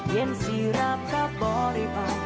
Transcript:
เย็นสีราบกระบ่อได้ออก